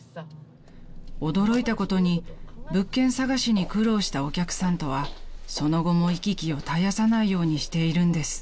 ［驚いたことに物件探しに苦労したお客さんとはその後も行き来を絶やさないようにしているんです］